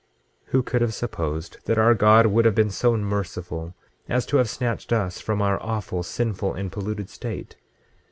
26:17 Who could have supposed that our God would have been so merciful as to have snatched us from our awful, sinful, and polluted state?